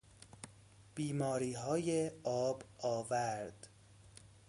بیماریهای آب آورد